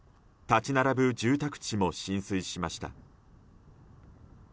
立ち並ぶ住宅地も浸水しました。